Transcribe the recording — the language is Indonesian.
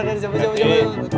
cabut cabut cabut